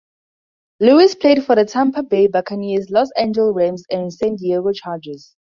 Lewis played for the Tampa Bay Buccaneers, Los Angeles Rams and San Diego Chargers.